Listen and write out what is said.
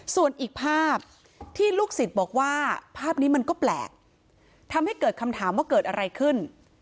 ส่วนอีกภาพที่ลูกศิษย์บอกว่าภาพนี้มันก็แปลกทำให้เกิดคำถามว่าเกิดอะไรขึ้น